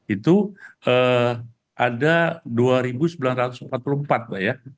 itu ada dua sembilan ratus empat puluh empat pak ya